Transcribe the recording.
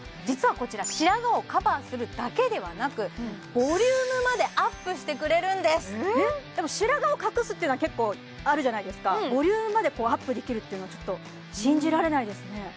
実はこちら白髪をカバーするだけではなくボリュームまでアップしてくれるんですでも白髪を隠すっていうのは結構あるじゃないですかボリュームまでアップできるっていうのはちょっと信じられないですね